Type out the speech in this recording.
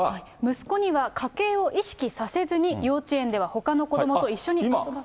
息子には家系を意識させずに、幼稚園ではほかの子どもと一緒に。